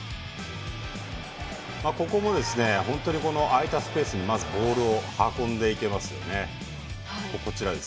ここも空いたスペースにボールを運んでいけますよね。